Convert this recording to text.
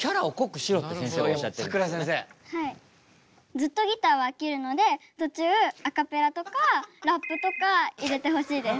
ずっとギターは飽きるので途中アカペラとかラップとか入れてほしいです。